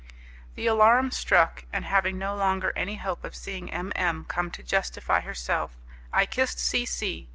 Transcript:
The alarum struck, and, having no longer any hope of seeing M M come to justify herself, I kissed C C